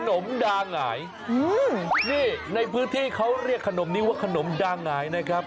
มดาหงายอืมนี่ในพื้นที่เขาเรียกขนมนี้ว่าขนมดาหงายนะครับ